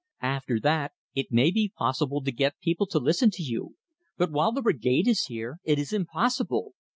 After that, it may be possible to get people to listen to you. But while the Brigade is here, it is impossible.